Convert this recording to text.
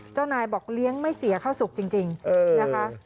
เจ้านายบอกเลี้ยงไม่เสียเข้าสุขจริงนะคะ